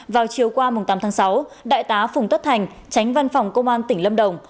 vào chiều qua tám tháng sáu đại tá phùng tất thành tránh văn phòng công an tỉnh lâm đồng